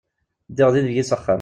Ddiɣ d inebgi s axxam.